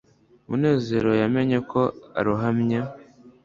munezero yamenye ko arohamye